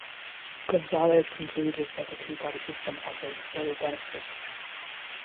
Gonzales concluded that the two-party system offered little benefit.